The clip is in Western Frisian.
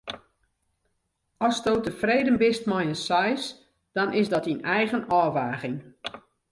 Asto tefreden bist mei in seis, dan is dat dyn eigen ôfwaging.